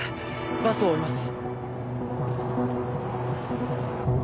バスを追います